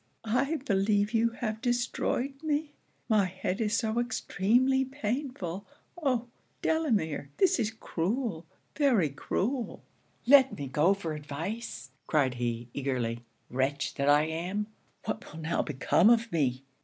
I believe you have destroyed me; my head is so extremely painful. Oh! Delamere this is cruel! very cruel!' 'Let me go for advice,' cried he, eagerly. 'Wretch that I am, what will now become of me!'